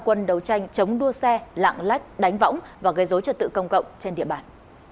quân đấu tranh chống đua xe lạng lách đánh võng và gây dối trật tự công cộng trên địa bàn